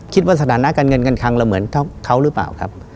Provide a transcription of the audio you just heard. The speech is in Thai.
สถานะการเงินการคังเราเหมือนเท่าเขาหรือเปล่าครับ